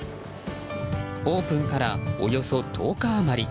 オープンからおよそ１０日余り。